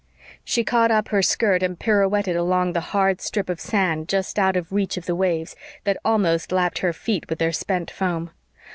She caught up her skirt and pirouetted along the hard strip of sand just out of reach of the waves that almost lapped her feet with their spent foam.